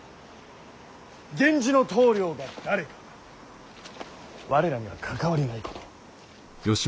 源氏の棟梁が誰か我らには関わりないこと。